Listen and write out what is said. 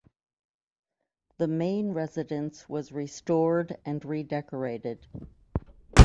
The main residence was restored and redecorated.